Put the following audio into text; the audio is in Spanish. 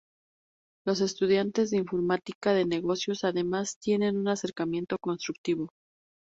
Los estudiantes de informática de negocios además tienen un acercamiento constructivo.